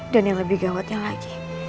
dan yang lebih gawatnya lagi